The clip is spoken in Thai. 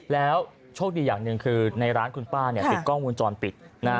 แล้วโชคดีอย่างหนึ่งคือในร้านคุณป้าเนี่ยติดกล้องวงจรปิด